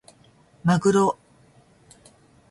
まぐろ